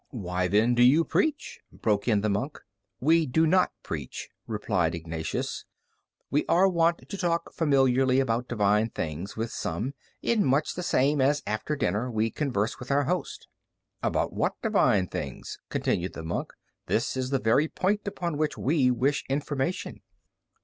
"Why, then, do you preach?" broke in the monk. "We do not preach," replied Ignatius; "we are wont to talk familiarly about divine things with some, in much the same as after dinner we converse with our host." "About what divine things?" continued the monk; "this is the very point upon which we wish information."